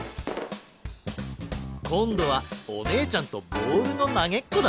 こんどはおねえちゃんとボールのなげっこだ。